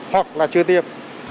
hoặc là chưa tiêm